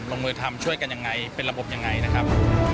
ลงมือทำช่วยกันยังไงเป็นระบบยังไงนะครับ